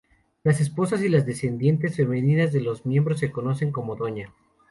Las esposas y las descendientes femeninas de los miembros se conocen como Doña.